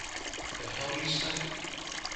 The hell you say!